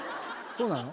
そうなの？